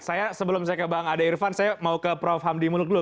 saya sebelum saya ke bang ade irfan saya mau ke prof hamdi muluk dulu